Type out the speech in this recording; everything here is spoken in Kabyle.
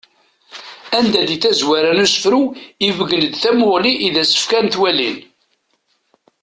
Anda di tazwara n usefru ibeggen-d tamuɣli i d-as-fkan twalin.